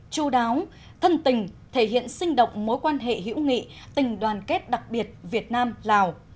chú đáo thân tình thể hiện sinh động mối quan hệ hữu nghị tình đoàn kết đặc biệt việt nam lào